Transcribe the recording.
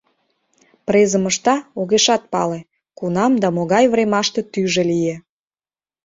Презым ышта — огешат пале, кунам да могай времаште тӱжӧ лие.